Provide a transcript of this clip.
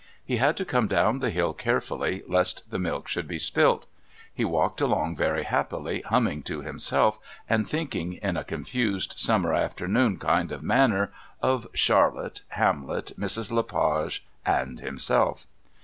He had to come down the hill carefully, lest the milk should be spilt. He walked along very happily, humming to himself and thinking in a confused summer afternoon kind of manner of Charlotte, Hamlet, Mrs. Le Page and himself.